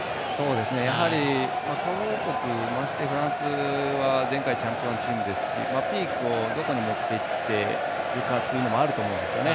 やはり、強豪国ましてフランスは前回チャンピオンチームですしピークをどこに持っていくかということもあると思うんですよね。